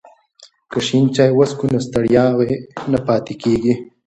که شین چای وڅښو نو ستړیا نه پاتې کیږي.